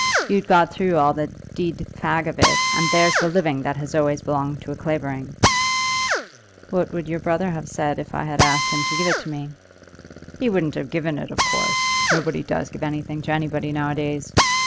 I'd have stuck to my governor's shop if I'd been you. You'd got through all the d d fag of it, and there's the living that has always belonged to a Clavering." "What would your brother have said if I had asked him to give it to me?" "He wouldn't have given it of course. Nobody does give anything to anybody now a days.